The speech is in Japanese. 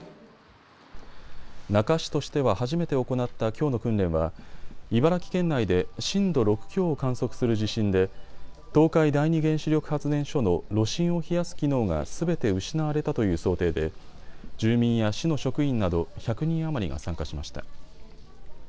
那珂市としては初めて行ったきょうの訓練は茨城県内で震度６強を観測する地震で東海第二原子力発電所の炉心を冷やす機能がすべて失われたという想定で住民や市の職員など１００人余りが参加しました。